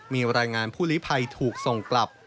มีรายงานผู้ลิภัยถูกส่งกลับ